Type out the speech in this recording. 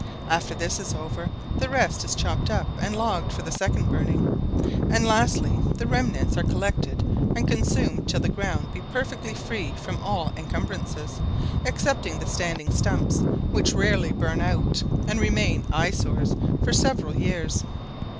After this is over, the rest is chopped and logged up for the second burning: and lastly, the remnants are collected and consumed till the ground be perfectly free from all encumbrances, excepting the standing stumps, which rarely burn out, and remain eye sores for several years.